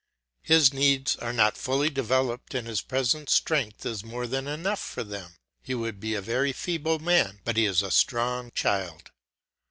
His needs are not fully developed and his present strength is more than enough for them. He would be a very feeble man, but he is a strong child.